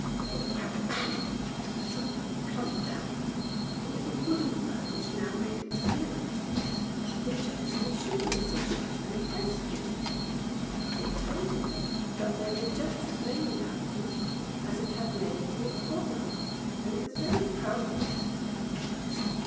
" Cribble, crabble, bang! " something plumped down; it was a wooden bird which now made its appearance — the popin jay from the Shooting Association in Praesto. It told him that there were just as many inhabitants as it had nails in its body, and it was very proud of this.